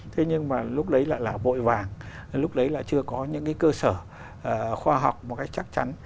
thế nhưng mà lúc đấy lại là vội vàng lúc đấy là chưa có những cái cơ sở khoa học một cách chắc chắn